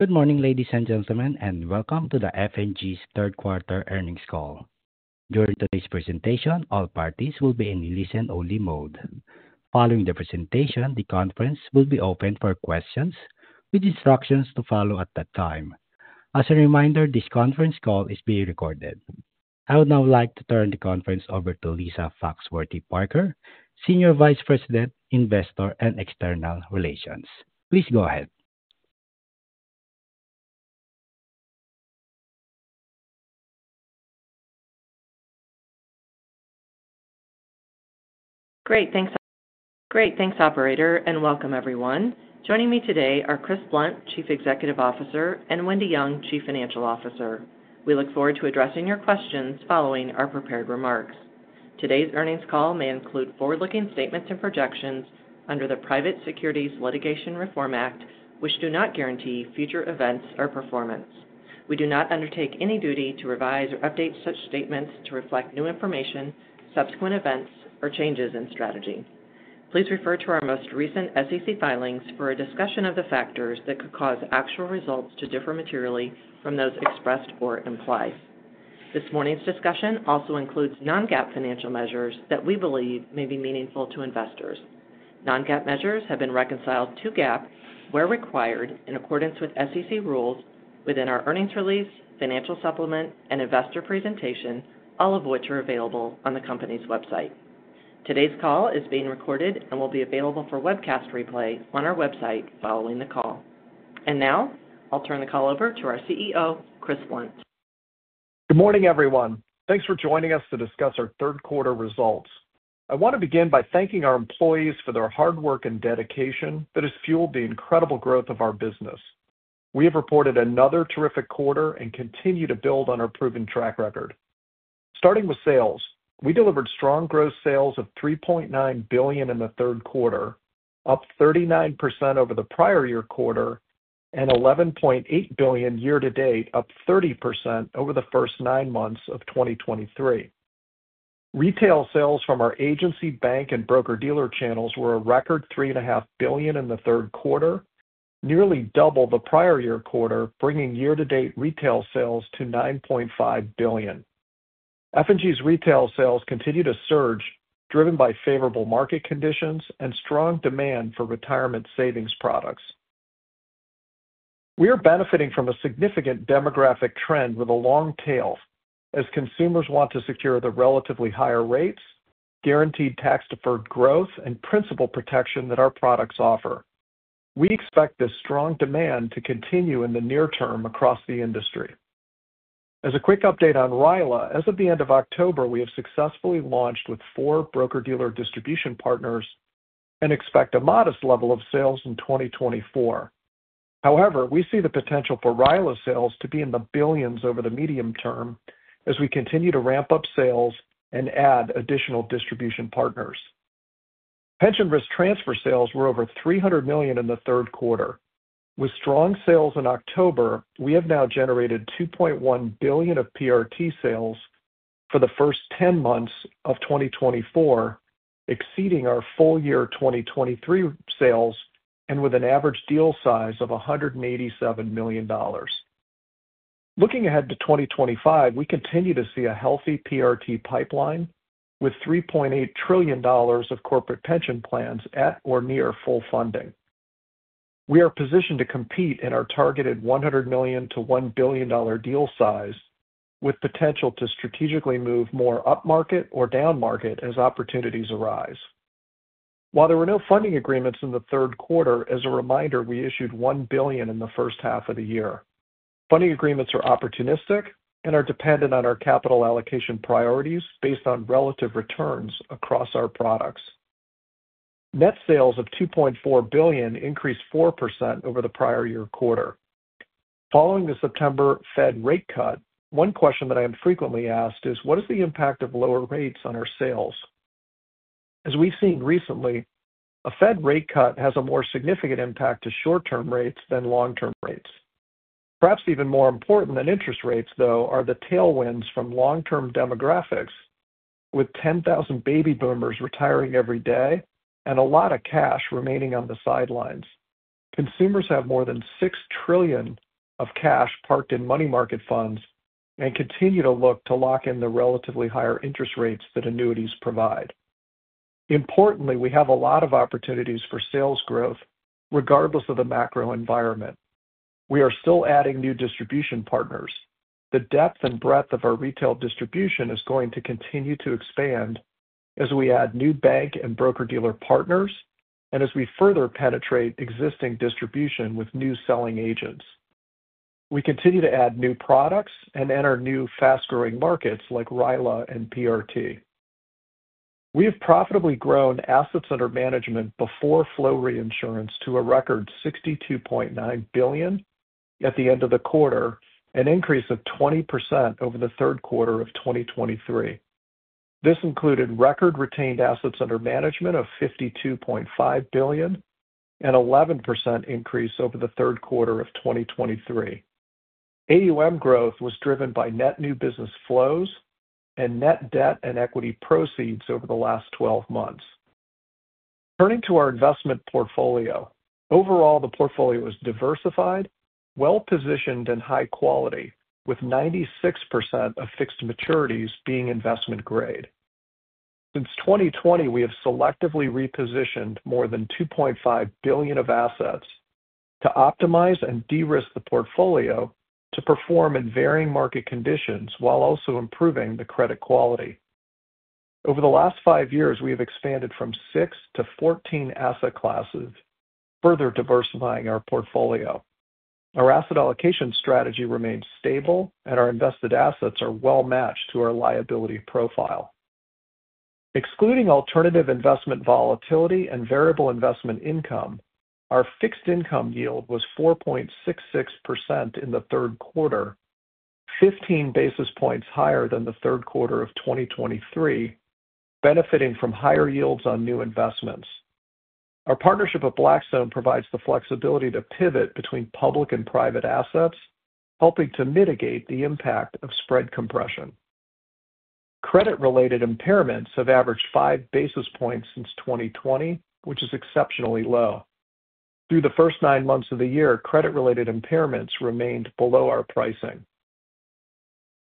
Good morning, ladies and gentlemen, and welcome to the F&G's third quarter earnings call. During today's presentation, all parties will be in a listen-only mode. Following the presentation, the conference will be open for questions, with instructions to follow at that time. As a reminder, this conference call is being recorded. I would now like to turn the conference over to Lisa Foxworthy-Parker, Senior Vice President, Investor and External Relations. Please go ahead. Great, thanks, Operator, and welcome everyone. Joining me today are Chris Blunt, Chief Executive Officer, and Wendy Young, Chief Financial Officer. We look forward to addressing your questions following our prepared remarks. Today's earnings call may include forward-looking statements and projections under the Private Securities Litigation Reform Act, which do not guarantee future events or performance. We do not undertake any duty to revise or update such statements to reflect new information, subsequent events, or changes in strategy. Please refer to our most recent SEC filings for a discussion of the factors that could cause actual results to differ materially from those expressed or implied. This morning's discussion also includes non-GAAP financial measures that we believe may be meaningful to investors. Non-GAAP measures have been reconciled to GAAP where required in accordance with SEC rules within our earnings release, financial supplement, and investor presentation, all of which are available on the company's website. Today's call is being recorded and will be available for webcast replay on our website following the call, and now I'll turn the call over to our CEO, Chris Blunt. Good morning, everyone. Thanks for joining us to discuss our third quarter results. I want to begin by thanking our employees for their hard work and dedication that has fueled the incredible growth of our business. We have reported another terrific quarter and continue to build on our proven track record. Starting with sales, we delivered strong gross sales of $3.9 billion in the third quarter, up 39% over the prior year quarter, and $11.8 billion year to date, up 30% over the first nine months of 2023. Retail sales from our agency, bank, and broker-dealer channels were a record $3.5 billion in the third quarter, nearly double the prior year quarter, bringing year-to-date retail sales to $9.5 billion. F&G's retail sales continue to surge, driven by favorable market conditions and strong demand for retirement savings products. We are benefiting from a significant demographic trend with a long tail as consumers want to secure the relatively higher rates, guaranteed tax-deferred growth, and principal protection that our products offer. We expect this strong demand to continue in the near term across the industry. As a quick update on RILA, as of the end of October, we have successfully launched with four broker-dealer distribution partners and expect a modest level of sales in 2024. However, we see the potential for RILA sales to be in the billions over the medium term as we continue to ramp up sales and add additional distribution partners. Pension Risk Transfer sales were over $300 million in the third quarter. With strong sales in October, we have now generated $2.1 billion of PRT sales for the first 10 months of 2024, exceeding our full year 2023 sales and with an average deal size of $187 million. Looking ahead to 2025, we continue to see a healthy PRT pipeline with $3.8 trillion of corporate pension plans at or near full funding. We are positioned to compete in our targeted $100 million to $1 billion deal size with potential to strategically move more up market or down market as opportunities arise. While there were no funding agreements in the third quarter, as a reminder, we issued $1 billion in the first half of the year. Funding agreements are opportunistic and are dependent on our capital allocation priorities based on relative returns across our products. Net sales of $2.4 billion increased 4% over the prior year quarter. Following the September Fed rate cut, one question that I am frequently asked is, what is the impact of lower rates on our sales? As we've seen recently, a Fed rate cut has a more significant impact to short-term rates than long-term rates. Perhaps even more important than interest rates, though, are the tailwinds from long-term demographics, with 10,000 baby boomers retiring every day and a lot of cash remaining on the sidelines. Consumers have more than $6 trillion of cash parked in money market funds and continue to look to lock in the relatively higher interest rates that annuities provide. Importantly, we have a lot of opportunities for sales growth regardless of the macro environment. We are still adding new distribution partners. The depth and breadth of our retail distribution is going to continue to expand as we add new bank and broker-dealer partners and as we further penetrate existing distribution with new selling agents. We continue to add new products and enter new fast-growing markets like RILA and PRT. We have profitably grown assets under management before flow reinsurance to a record $62.9 billion at the end of the quarter and an increase of 20% over the third quarter of 2023. This included record retained assets under management of $52.5 billion and an 11% increase over the third quarter of 2023. AUM growth was driven by net new business flows and net debt and equity proceeds over the last 12 months. Turning to our investment portfolio, overall, the portfolio is diversified, well-positioned, and high quality, with 96% of fixed maturities being investment grade. Since 2020, we have selectively repositioned more than $2.5 billion of assets to optimize and de-risk the portfolio to perform in varying market conditions while also improving the credit quality. Over the last five years, we have expanded from six to 14 asset classes, further diversifying our portfolio. Our asset allocation strategy remains stable, and our invested assets are well-matched to our liability profile. Excluding alternative investment volatility and variable investment income, our fixed income yield was 4.66% in the third quarter, 15 basis points higher than the third quarter of 2023, benefiting from higher yields on new investments. Our partnership with Blackstone provides the flexibility to pivot between public and private assets, helping to mitigate the impact of spread compression. Credit-related impairments have averaged five basis points since 2020, which is exceptionally low. Through the first nine months of the year, credit-related impairments remained below our pricing.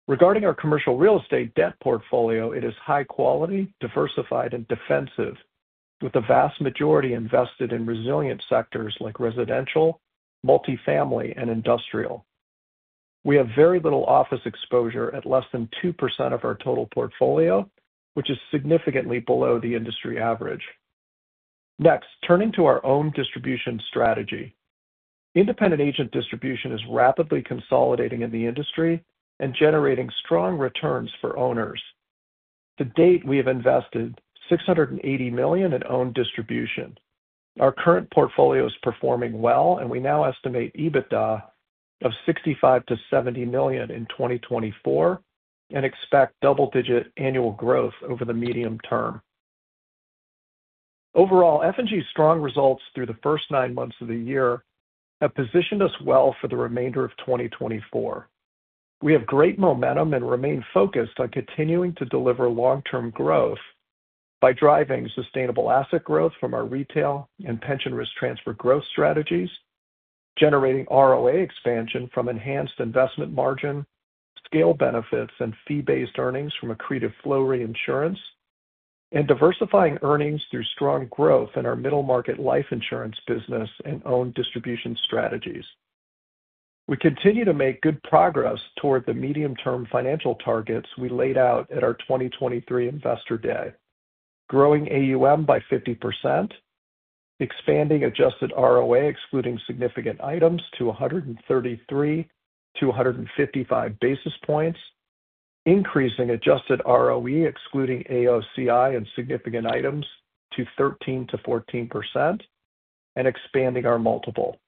Regarding our commercial real estate debt portfolio, it is high quality, diversified, and defensive, with the vast majority invested in resilient sectors like residential, multifamily, and industrial. We have very little office exposure at less than 2% of our total portfolio, which is significantly below the industry average. Next, turning to our own distribution strategy, independent agent distribution is rapidly consolidating in the industry and generating strong returns for owners. To date, we have invested $680 million in owned distribution. Our current portfolio is performing well, and we now estimate EBITDA of $65 million-$70 million in 2024 and expect double-digit annual growth over the medium term. Overall, F&G's strong results through the first nine months of the year have positioned us well for the remainder of 2024. We have great momentum and remain focused on continuing to deliver long-term growth by driving sustainable asset growth from our retail and pension risk transfer growth strategies, generating ROA expansion from enhanced investment margin, scale benefits, and fee-based earnings from accretive flow reinsurance, and diversifying earnings through strong growth in our middle market life insurance business and owned distribution strategies. We continue to make good progress toward the medium-term financial targets we laid out at our 2023 Investor Day: growing AUM by 50%, expanding adjusted ROA excluding significant items to 133-155 basis points, increasing adjusted ROE excluding AOCI and significant items to 13%-14%, and expanding our multiple.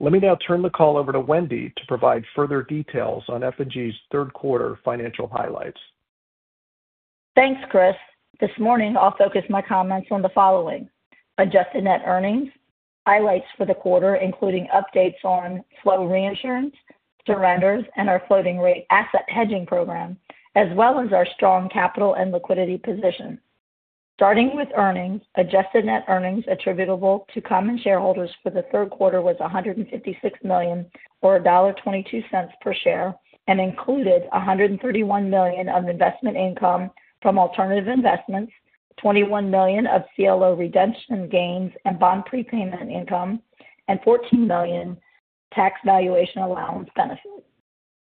Let me now turn the call over to Wendy to provide further details on F&G's third quarter financial highlights. Thanks, Chris. This morning, I'll focus my comments on the following: adjusted net earnings, highlights for the quarter, including updates on flow reinsurance, surrenders, and our floating rate asset hedging program, as well as our strong capital and liquidity position. Starting with earnings, adjusted net earnings attributable to common shareholders for the third quarter was $156 million or $1.22 per share and included $131 million of investment income from alternative investments, $21 million of CLO redemption gains and bond prepayment income, and $14 million tax valuation allowance benefits.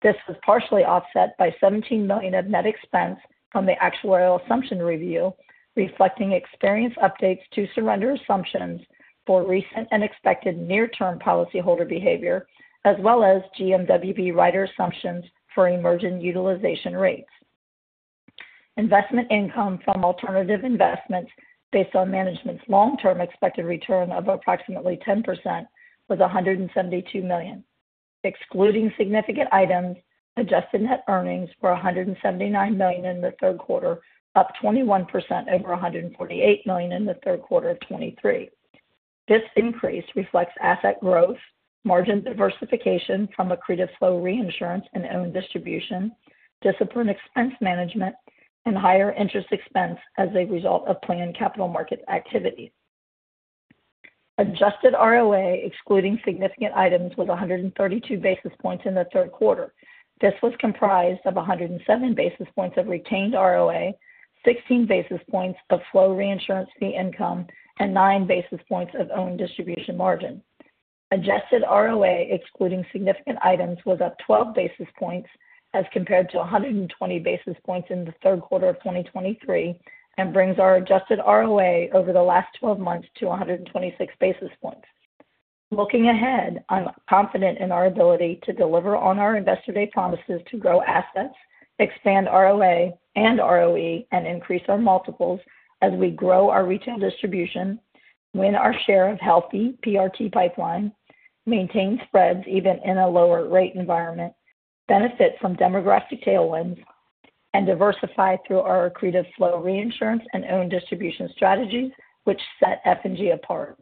This was partially offset by $17 million of net expense from the actuarial assumption review, reflecting experience updates to surrender assumptions for recent and expected near-term policyholder behavior, as well as GMWB rider assumptions for emergent utilization rates. Investment income from alternative investments based on management's long-term expected return of approximately 10% was $172 million. Excluding significant items, adjusted net earnings were $179 million in the third quarter, up 21% over $148 million in the third quarter of 2023. This increase reflects asset growth, margin diversification from accretive flow reinsurance and owned distribution, disciplined expense management, and higher interest expense as a result of planned capital market activity. Adjusted ROA excluding significant items was 132 basis points in the third quarter. This was comprised of 107 basis points of retained ROA, 16 basis points of flow reinsurance fee income, and 9 basis points of owned distribution margin. Adjusted ROA excluding significant items was up 12 basis points as compared to 120 basis points in the third quarter of 2023 and brings our adjusted ROA over the last 12 months to 126 basis points. Looking ahead, I'm confident in our ability to deliver on our Investor Day promises to grow assets, expand ROA and ROE, and increase our multiples as we grow our retail distribution, win our share of healthy PRT pipeline, maintain spreads even in a lower rate environment, benefit from demographic tailwinds, and diversify through our accretive flow reinsurance and owned distribution strategies, which set F&G apart.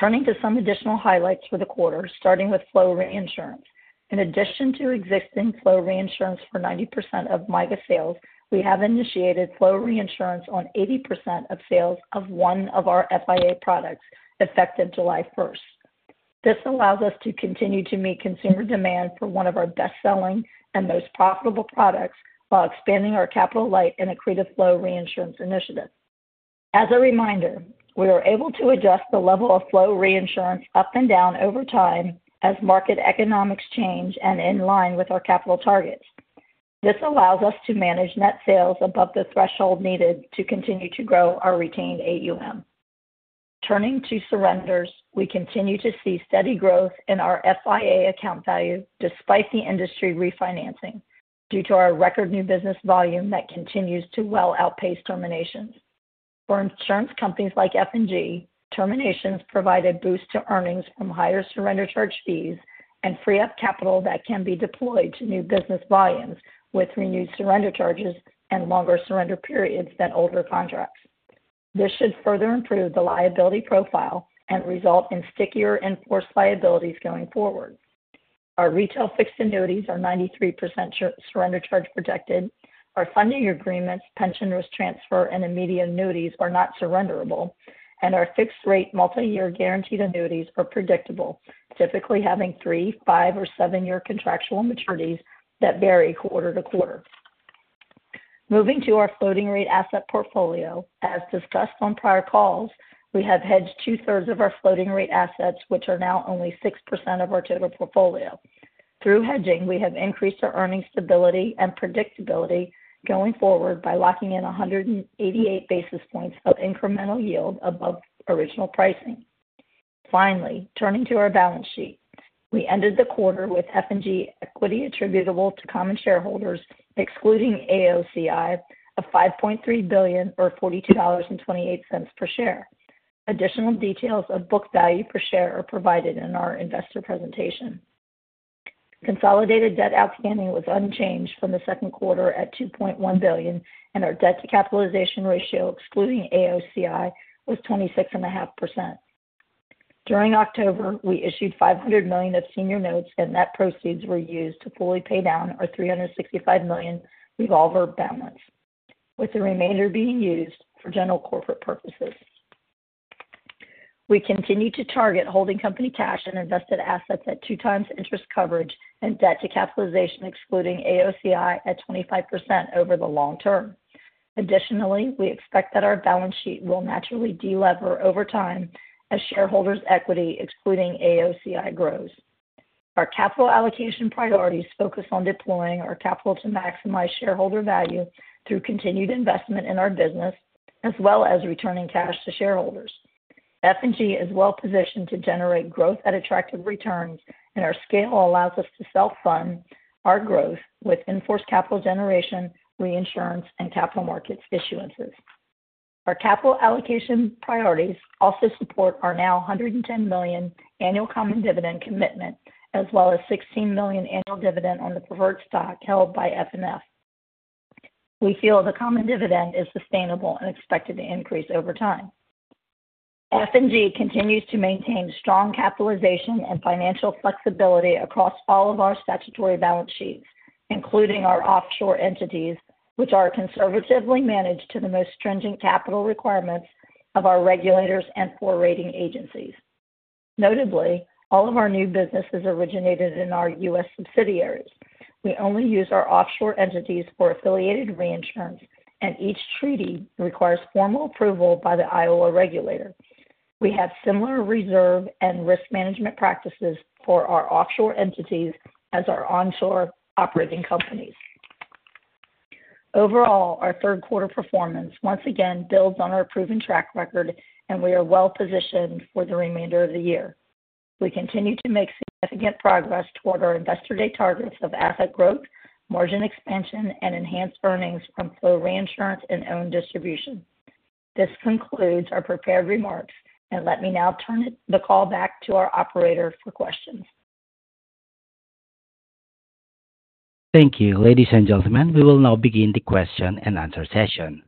Turning to some additional highlights for the quarter, starting with flow reinsurance. In addition to existing flow reinsurance for 90% of MYGA sales, we have initiated flow reinsurance on 80% of sales of one of our FIA products effective July 1st. This allows us to continue to meet consumer demand for one of our best-selling and most profitable products while expanding our capital light and accretive flow reinsurance initiative. As a reminder, we are able to adjust the level of flow reinsurance up and down over time as market economics change and in line with our capital targets. This allows us to manage net sales above the threshold needed to continue to grow our retained AUM. Turning to surrenders, we continue to see steady growth in our FIA account value despite the industry refinancing due to our record new business volume that continues to well outpace terminations. For insurance companies like F&G, terminations provide a boost to earnings from higher surrender charge fees and free up capital that can be deployed to new business volumes with renewed surrender charges and longer surrender periods than older contracts. This should further improve the liability profile and result in stickier enforced liabilities going forward. Our retail fixed annuities are 93% surrender charge protected. Our funding agreements, pension risk transfer, and immediate annuities are not surrenderable, and our fixed-rate multi-year guaranteed annuities are predictable, typically having three, five, or seven-year contractual maturities that vary quarter to quarter. Moving to our floating rate asset portfolio, as discussed on prior calls, we have hedged two-thirds of our floating rate assets, which are now only 6% of our total portfolio. Through hedging, we have increased our earnings stability and predictability going forward by locking in 188 basis points of incremental yield above original pricing. Finally, turning to our balance sheet, we ended the quarter with F&G equity attributable to common shareholders, excluding AOCI, of $5.3 billion or $42.28 per share. Additional details of book value per share are provided in our investor presentation. Consolidated debt outstanding was unchanged from the second quarter at $2.1 billion, and our debt-to-capitalization ratio excluding AOCI was 26.5%. During October, we issued $500 million of senior notes, and those proceeds were used to fully pay down our $365 million revolver balance, with the remainder being used for general corporate purposes. We continue to target holding company cash and invested assets at two times interest coverage and debt-to-capitalization excluding AOCI at 25% over the long term. Additionally, we expect that our balance sheet will naturally de-lever over time as shareholders' equity excluding AOCI grows. Our capital allocation priorities focus on deploying our capital to maximize shareholder value through continued investment in our business, as well as returning cash to shareholders. F&G is well-positioned to generate growth at attractive returns, and our scale allows us to self-fund our growth with organic capital generation, reinsurance, and capital markets issuances. Our capital allocation priorities also support our now $110 million annual common dividend commitment, as well as $16 million annual dividend on the preferred stock held by FNF. We feel the common dividend is sustainable and expected to increase over time. F&G continues to maintain strong capitalization and financial flexibility across all of our statutory balance sheets, including our offshore entities, which are conservatively managed to the most stringent capital requirements of our regulators and forward rating agencies. Notably, all of our new businesses originated in our U.S. subsidiaries. We only use our offshore entities for affiliated reinsurance, and each treaty requires formal approval by the Iowa regulator. We have similar reserve and risk management practices for our offshore entities as our onshore operating companies. Overall, our third quarter performance once again builds on our proven track record, and we are well-positioned for the remainder of the year. We continue to make significant progress toward our Investor Day targets of asset growth, margin expansion, and enhanced earnings from flow reinsurance and owned distribution. This concludes our prepared remarks, and let me now turn the call back to our operator for questions. Thank you. Ladies and gentlemen, we will now begin the question and answer session.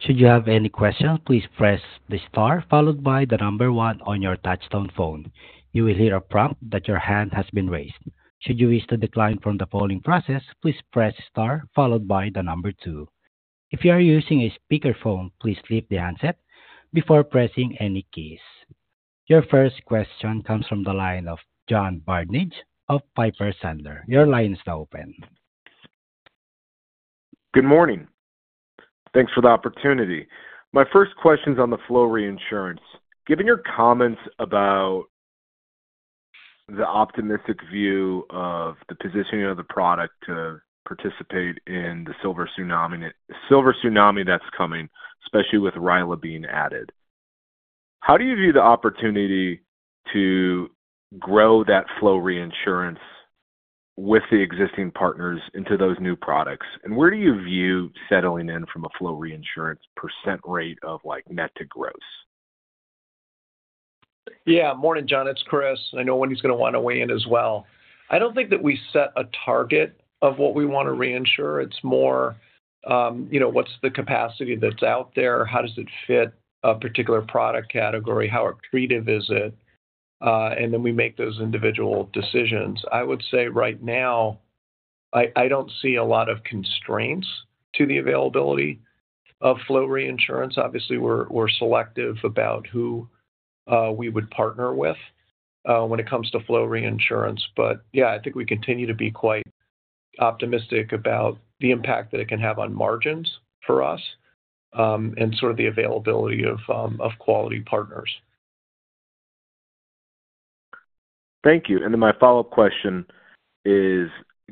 Should you have any questions, please press the star followed by the number one on your touch-tone phone. You will hear a prompt that your hand has been raised. Should you wish to decline from the polling process, please press star followed by the number two. If you are using a speakerphone, please lift the handset before pressing any keys. Your first question comes from the line of John Barnidge of Piper Sandler. Your line is now open. Good morning. Thanks for the opportunity. My first question is on the flow reinsurance. Given your comments about the optimistic view of the positioning of the product to participate in the silver tsunami that's coming, especially with RILA being added, how do you view the opportunity to grow that flow reinsurance with the existing partners into those new products? And where do you view settling in from a flow reinsurance percent rate of net to gross? Yeah. Morning, John. It's Chris. I know Wendy's going to want to weigh in as well. I don't think that we set a target of what we want to reinsure. It's more what's the capacity that's out there, how does it fit a particular product category, how accretive is it, and then we make those individual decisions. I would say right now, I don't see a lot of constraints to the availability of flow reinsurance. Obviously, we're selective about who we would partner with when it comes to flow reinsurance. But yeah, I think we continue to be quite optimistic about the impact that it can have on margins for us and sort of the availability of quality partners. Thank you, and then my follow-up question is,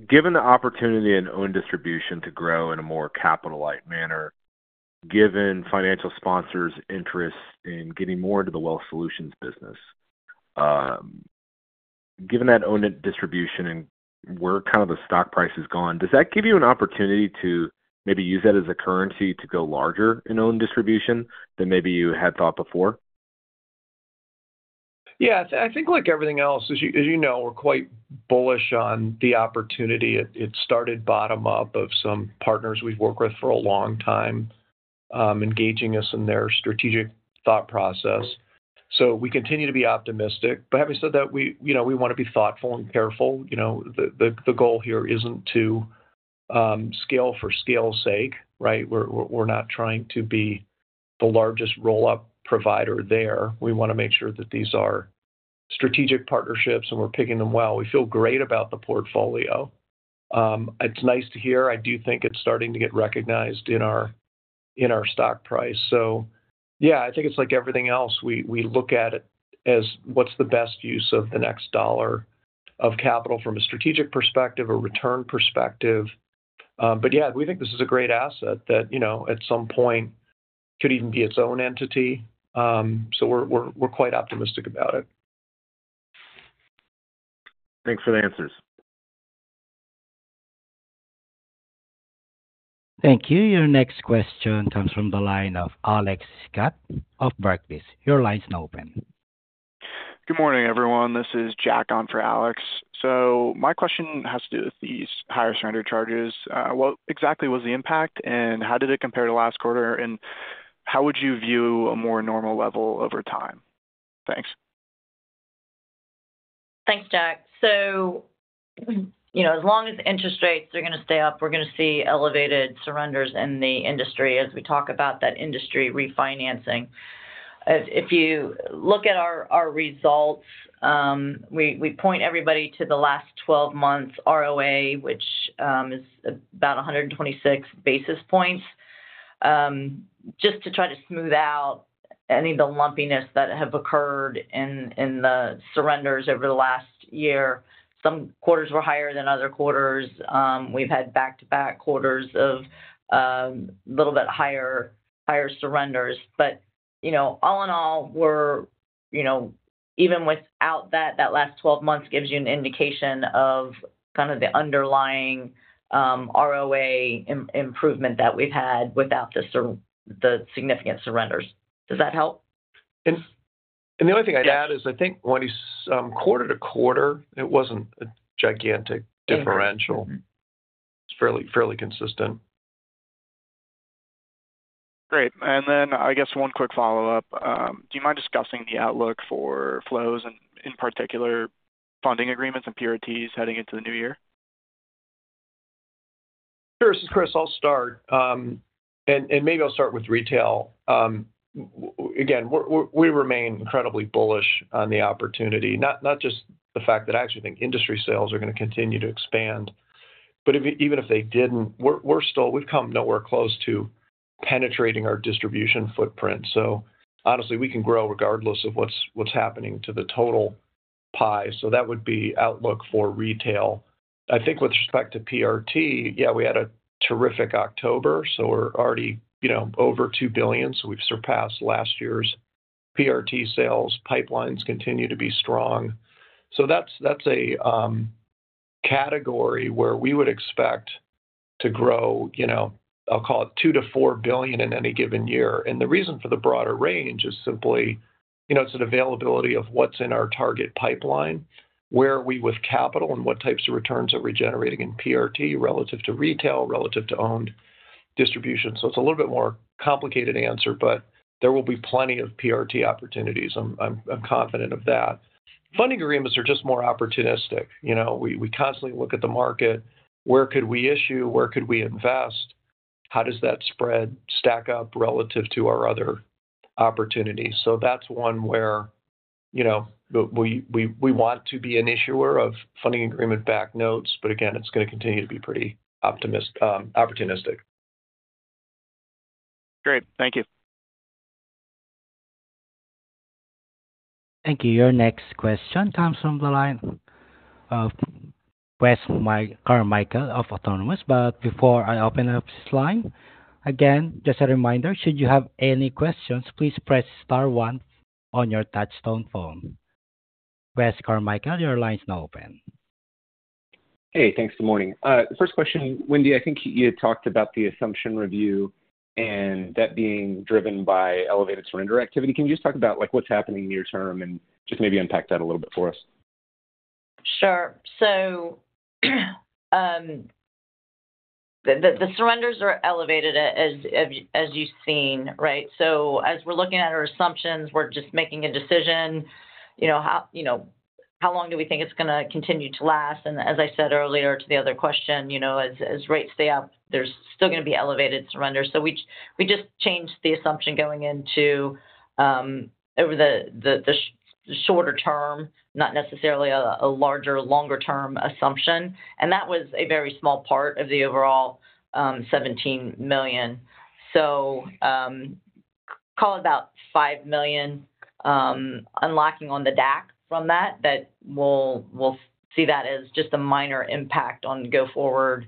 given the opportunity in owned distribution to grow in a more capital-light manner, given financial sponsors' interest in getting more into the wealth solutions business, given that owned distribution and where kind of the stock price has gone, does that give you an opportunity to maybe use that as a currency to go larger in owned distribution than maybe you had thought before? Yeah. I think like everything else, as you know, we're quite bullish on the opportunity. It started bottom-up of some partners we've worked with for a long time engaging us in their strategic thought process. So we continue to be optimistic. But having said that, we want to be thoughtful and careful. The goal here isn't to scale for scale's sake, right? We're not trying to be the largest roll-up provider there. We want to make sure that these are strategic partnerships, and we're picking them well. We feel great about the portfolio. It's nice to hear. I do think it's starting to get recognized in our stock price. So yeah, I think it's like everything else. We look at it as what's the best use of the next dollar of capital from a strategic perspective, a return perspective. But yeah, we think this is a great asset that at some point could even be its own entity. So we're quite optimistic about it. Thanks for the answers. Thank you. Your next question comes from the line of Alex Scott of Barclays. Your line's now open. Good morning, everyone. This is Jack on for Alex. So my question has to do with these higher surrender charges. What exactly was the impact, and how did it compare to last quarter, and how would you view a more normal level over time? Thanks. Thanks, Jack. So as long as interest rates are going to stay up, we're going to see elevated surrenders in the industry as we talk about that industry refinancing. If you look at our results, we point everybody to the last 12 months' ROA, which is about 126 basis points. Just to try to smooth out any of the lumpiness that have occurred in the surrenders over the last year, some quarters were higher than other quarters. We've had back-to-back quarters of a little bit higher surrenders. But all in all, even without that, that last 12 months gives you an indication of kind of the underlying ROA improvement that we've had without the significant surrenders. Does that help? The only thing I'd add is I think quarter to quarter, it wasn't a gigantic differential. It's fairly consistent. Great. And then I guess one quick follow-up. Do you mind discussing the outlook for flows and, in particular, funding agreements and PRTs heading into the new year? Sure. This is Chris. I'll start. And maybe I'll start with retail. Again, we remain incredibly bullish on the opportunity, not just the fact that I actually think industry sales are going to continue to expand. But even if they didn't, we've come nowhere close to penetrating our distribution footprint. So honestly, we can grow regardless of what's happening to the total pie. So that would be outlook for retail. I think with respect to PRT, yeah, we had a terrific October. So we're already over two billion. So we've surpassed last year's PRT sales. Pipelines continue to be strong. So that's a category where we would expect to grow. I'll call it two to four billion in any given year. And the reason for the broader range is simply it's an availability of what's in our target pipeline, where are we with capital, and what types of returns are we generating in PRT relative to retail, relative to owned distribution. So it's a little bit more complicated answer, but there will be plenty of PRT opportunities. I'm confident of that. Funding agreements are just more opportunistic. We constantly look at the market. Where could we issue? Where could we invest? How does that spread stack up relative to our other opportunities? So that's one where we want to be an issuer of funding agreement-backed notes. But again, it's going to continue to be pretty opportunistic. Great. Thank you. Thank you. Your next question comes from the line of Wes Carmichael of Autonomous. But before I open up this line, again, just a reminder, should you have any questions, please press star one on your touch-tone phone. Chris, Wes Carmichael, your line's now open. Hey. Thanks. Good morning. First question, Wendy, I think you had talked about the assumption review and that being driven by elevated surrender activity. Can you just talk about what's happening near-term and just maybe unpack that a little bit for us? Sure. So the surrenders are elevated, as you've seen, right? So as we're looking at our assumptions, we're just making a decision. How long do we think it's going to continue to last? And as I said earlier to the other question, as rates stay up, there's still going to be elevated surrenders. So we just changed the assumption going into over the shorter term, not necessarily a larger, longer-term assumption. And that was a very small part of the overall $17 million. So call it about $5 million unlocking on the DAC from that. But we'll see that as just a minor impact on go forward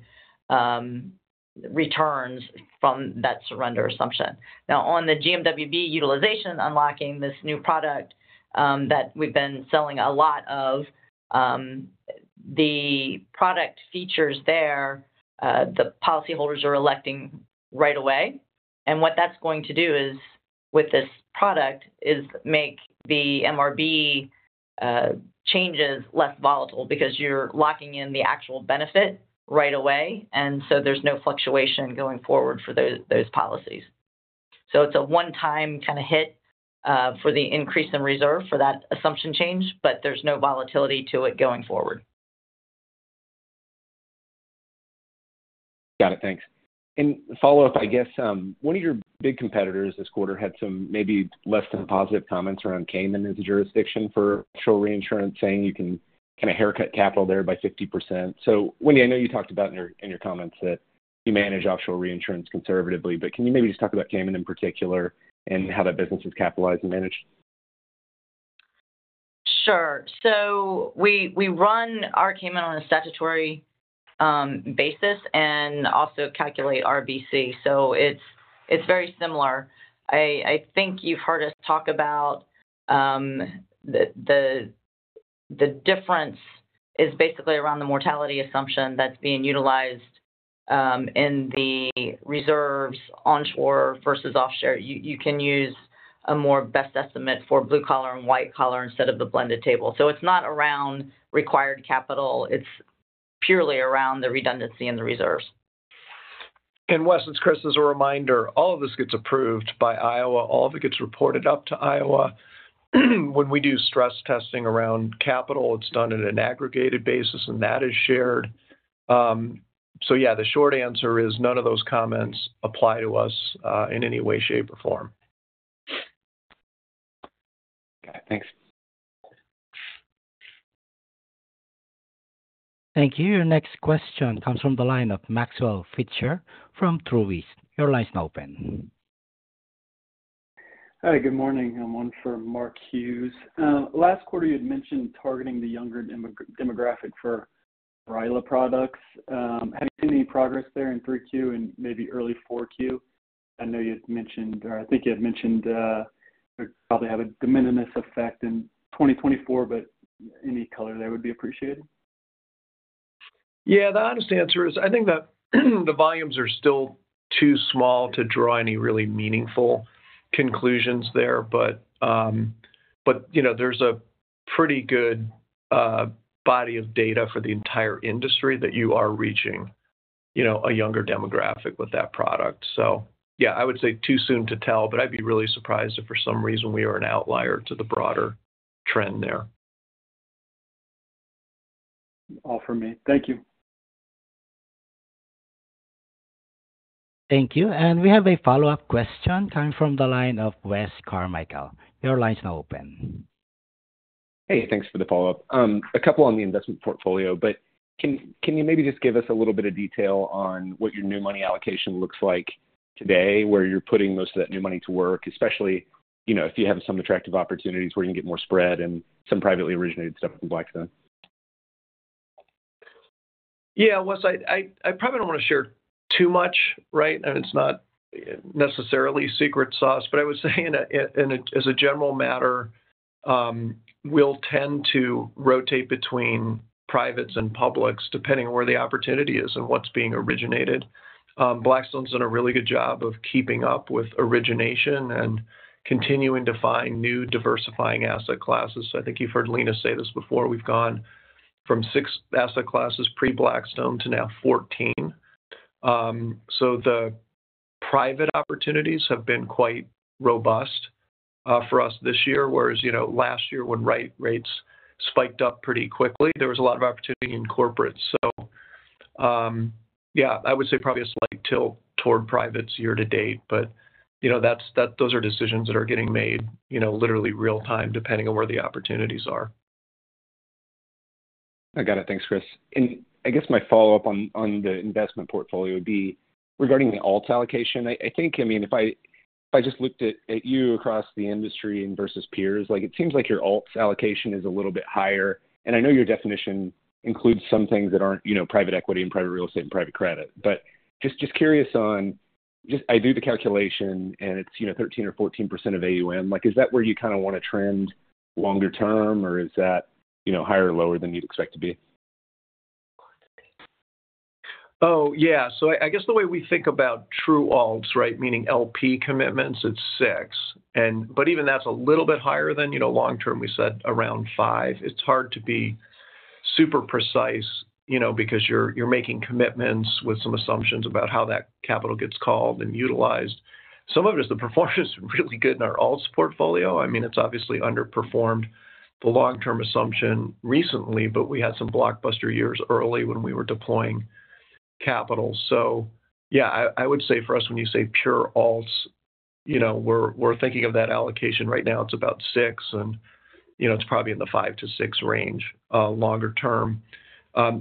returns from that surrender assumption. Now, on the GMWB utilization unlocking, this new product that we've been selling a lot of, the product features there, the policyholders are electing right away. What that's going to do with this product is make the MRB changes less volatile because you're locking in the actual benefit right away. There's no fluctuation going forward for those policies. It's a one-time kind of hit for the increase in reserve for that assumption change, but there's no volatility to it going forward. Got it. Thanks. And follow-up, I guess, one of your big competitors this quarter had some maybe less than positive comments around Cayman as a jurisdiction for offshore reinsurance, saying you can kind of haircut capital there by 50%. So Wendy, I know you talked about in your comments that you manage offshore reinsurance conservatively, but can you maybe just talk about Cayman in particular and how that business is capitalized and managed? Sure. So we run our Cayman on a statutory basis and also calculate RBC. So it's very similar. I think you've heard us talk about the difference is basically around the mortality assumption that's being utilized in the reserves onshore versus offshore. You can use a more best estimate for blue collar and white collar instead of the blended table. So it's not around required capital. It's purely around the redundancy in the reserves. And Wes, it's Chris as a reminder. All of this gets approved by Iowa. All of it gets reported up to Iowa. When we do stress testing around capital, it's done at an aggregated basis, and that is shared. So yeah, the short answer is none of those comments apply to us in any way, shape, or form. Okay. Thanks. Thank you. Your next question comes from the line of Maxwell Fritscher from Truist. Your line's now open. Hi. Good morning. I'm in for Mark Hughes. Last quarter, you had mentioned targeting the younger demographic for RILA products. Have you seen any progress there in 3Q and maybe early 4Q? I know you had mentioned, or I think you had mentioned it would probably have a de minimis effect in 2024, but any color there would be appreciated. Yeah. The honest answer is I think that the volumes are still too small to draw any really meaningful conclusions there. But there's a pretty good body of data for the entire industry that you are reaching a younger demographic with that product. So yeah, I would say too soon to tell, but I'd be really surprised if for some reason we are an outlier to the broader trend there. All for me. Thank you. Thank you, and we have a follow-up question coming from the line of Wes Carmichael. Your line's now open. Hey. Thanks for the follow-up. A couple on the investment portfolio, but can you maybe just give us a little bit of detail on what your new money allocation looks like today, where you're putting most of that new money to work, especially if you have some attractive opportunities where you can get more spread and some privately originated stuff from Blackstone? Yeah. Wes, I probably don't want to share too much, right? And it's not necessarily secret sauce, but I would say in a general matter, we'll tend to rotate between privates and publics depending on where the opportunity is and what's being originated. Blackstone's done a really good job of keeping up with origination and continuing to find new diversifying asset classes. I think you've heard Leena say this before. We've gone from six asset classes pre-Blackstone to now 14. So the private opportunities have been quite robust for us this year, whereas last year when interest rates spiked up pretty quickly, there was a lot of opportunity in corporates. So yeah, I would say probably a slight tilt toward privates year to date. But those are decisions that are getting made literally real-time depending on where the opportunities are. I got it. Thanks, Chris. And I guess my follow-up on the investment portfolio would be regarding the alts allocation. I think, I mean, if I just looked at you across the industry versus peers, it seems like your alts allocation is a little bit higher. And I know your definition includes some things that aren't private equity and private real estate and private credit. But just curious on, I do the calculation, and it's 13% or 14% of AUM. Is that where you kind of want to trend longer term, or is that higher or lower than you'd expect to be? Oh, yeah. So I guess the way we think about true alts, right, meaning LP commitments, it's six. But even that's a little bit higher than long-term. We said around five. It's hard to be super precise because you're making commitments with some assumptions about how that capital gets called and utilized. Some of it is the performance is really good in our alts portfolio. I mean, it's obviously underperformed the long-term assumption recently, but we had some blockbuster years early when we were deploying capital. So yeah, I would say for us, when you say pure alts, we're thinking of that allocation right now. It's about six, and it's probably in the five to six range longer term.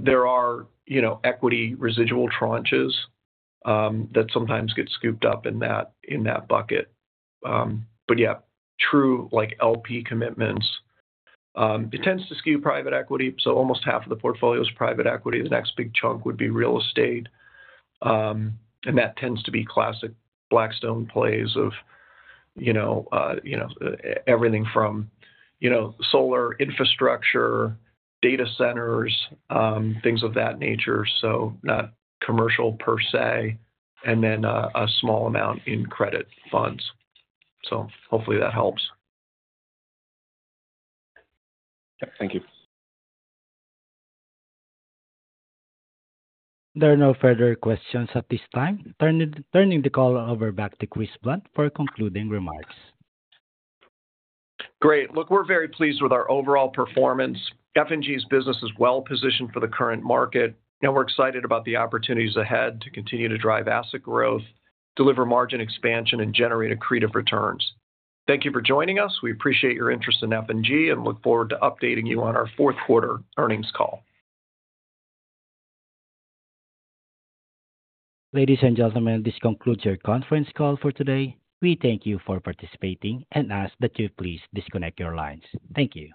There are equity residual tranches that sometimes get scooped up in that bucket. But yeah, true LP commitments, it tends to skew private equity. So almost half of the portfolio is private equity. The next big chunk would be real estate. And that tends to be classic Blackstone plays of everything from solar infrastructure, data centers, things of that nature. So not commercial per se, and then a small amount in credit funds. So hopefully that helps. Thank you. There are no further questions at this time. Turning the call over back to Chris Blunt for concluding remarks. Great. Look, we're very pleased with our overall performance. F&G's business is well-positioned for the current market. And we're excited about the opportunities ahead to continue to drive asset growth, deliver margin expansion, and generate accretive returns. Thank you for joining us. We appreciate your interest in F&G and look forward to updating you on our fourth quarter earnings call. Ladies and gentlemen, this concludes your conference call for today. We thank you for participating and ask that you please disconnect your lines. Thank you.